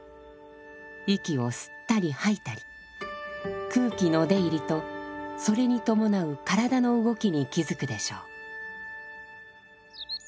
息を吸ったり吐いたり空気の出入りとそれに伴う体の動きに気づくでしょう。